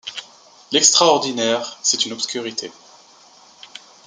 L’extraordinaire, c’est une obscurité.